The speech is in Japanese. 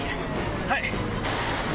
はい。